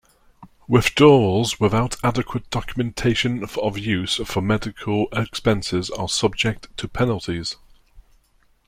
Withdrawals without adequate documentation of use for medical expenses are subject to penalties.